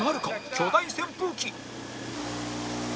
巨大扇風機